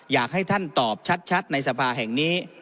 อยากให้ท่านตอบชัดในสภาแห่งนี้